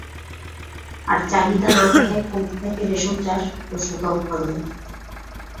আর চাহিদা না থাকায় কমতে থাকে রেশম চাষ ও সুতা উৎপাদন।